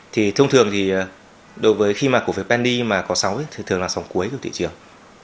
thì thông thường thì đối với khi mà cổ phiếu bendy mà có sóng thì thường là dòng cuối của thị trường